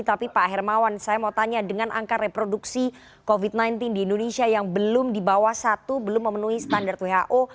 tapi pak hermawan saya mau tanya dengan angka reproduksi covid sembilan belas di indonesia yang belum di bawah satu belum memenuhi standar who